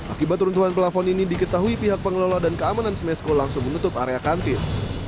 akibat runtuhan pelafon ini diketahui pihak pengelola dan keamanan smesko langsung menutup area kantin